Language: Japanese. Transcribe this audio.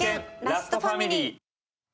ラストファミリー」。